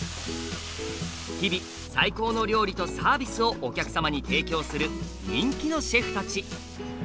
日々最高の料理とサービスをお客様に提供する人気のシェフたち。